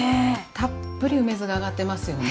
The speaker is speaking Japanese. たっぷり梅酢が上がってますよね。